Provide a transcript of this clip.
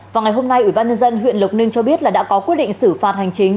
vào ngày hôm nay ủy ban nhân dân huyện lộc ninh cho biết là đã có quyết định xử phạt hành chính